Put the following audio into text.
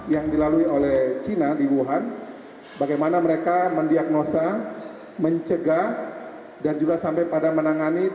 yang dilalui oleh china di wuhan bagaimana mereka mendiagnosa mencegah dan juga sampai pada menangani